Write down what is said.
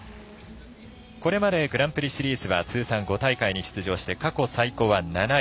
これまでグランプリシリーズは通算５大会に出場して過去最高は７位。